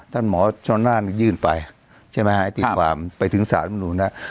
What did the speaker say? ท่านหมอชนานยื่นไปใช่ไหมครับไปถึงสหรัฐมนุษย์นะครับ